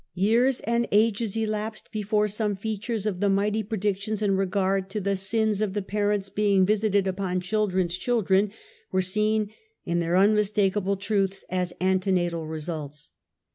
Years and ages elapsed before some features of the mighty predictions in regard to ''the sins of the parents being visited upon children's children," were seen in their unmistakable truths, as antenatal results.